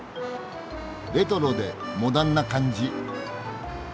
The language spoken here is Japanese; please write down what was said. レトロでモダンな感じ。